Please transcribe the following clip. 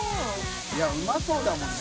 いうまそうだもんね。